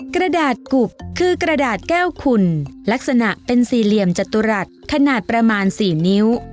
กระดาษกุบคือกระดาษแก้วขุ่นลักษณะเป็นสี่เหลี่ยมจตุรัสขนาดประมาณ๔นิ้ว